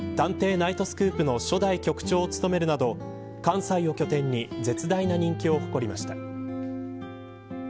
ナイトスクープの初代局長を務めるなど関西を拠点に絶大な人気を誇りました。